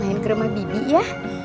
main ke rumah didi ya